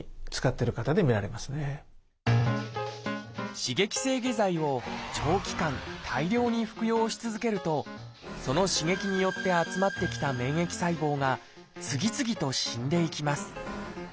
刺激性下剤を長期間大量に服用し続けるとその刺激によって集まってきた免疫細胞が次々と死んでいきます。